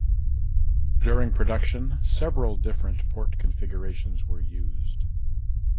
During production several different port configurations were used.